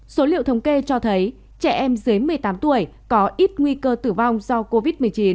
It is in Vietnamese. số liệu thống kê cho thấy trẻ em dưới một mươi tám tuổi có ít nguy cơ tử vong do covid một mươi chín